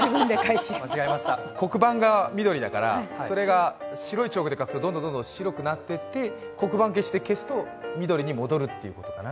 黒板が緑だから、それが白いチョークで書くとどんどん白くなってって、黒板消しで消すと緑に戻るってことかな。